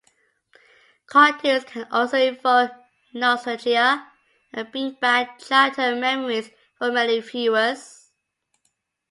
Cartoons can also evoke nostalgia and bring back childhood memories for many viewers.